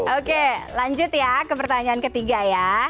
oke lanjut ya ke pertanyaan ketiga ya